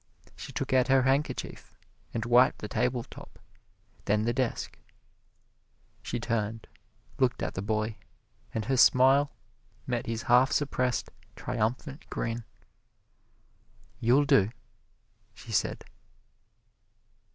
She took out her handkerchief and wiped the table top, then the desk. She turned, looked at the boy, and her smile met his half suppressed triumphant grin. "You'll do," she said.